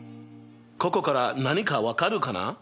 ここから何か分かるかな？